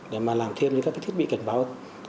để mà làm thêm những cái thiết bị cảnh báo